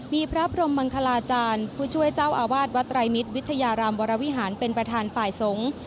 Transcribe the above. มีพระพรมมังคลาจารย์ผู้ช่วยเจ้าอาวาสวัดไตรมิตรวิทยารามวรวิหารเป็นประธานฝ่ายสงฆ์